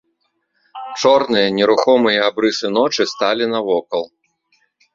Чорныя нерухомыя абрысы ночы сталі навокал.